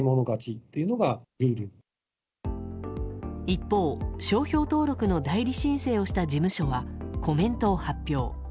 一方、商標登録の代理申請をした事務所はコメントを発表。